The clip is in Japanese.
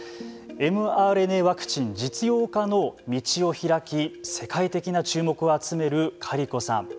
ｍＲＮＡワクチン実用化の道を開き世界的な注目を集めるカリコさん。